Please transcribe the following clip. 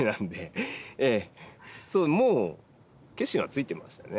そうもう決心はついてましたね。